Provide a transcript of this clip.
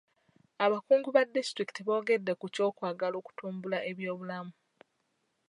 Abakungu ba disitulikiti boogedde ku kyokwagala okutumbula ebyobulamu.